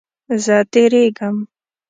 زه تیریږم